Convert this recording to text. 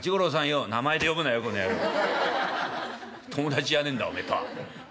友達じゃねんだおめえとは。